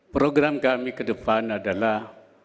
program kami ke depan adalah